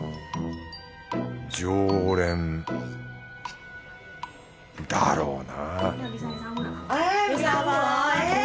常連だろうな